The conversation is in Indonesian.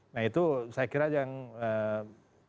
nah itu saya kira jangan